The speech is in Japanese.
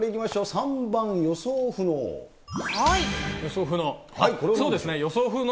３番、予想不能。